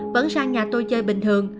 vẫn sang nhà tôi chơi bình thường